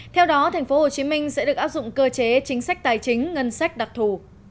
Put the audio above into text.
theo đó tp hcm sẽ được áp dụng cơ chế chính sách tài chính ngân sách đặc thù